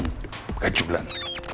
gak kayak julan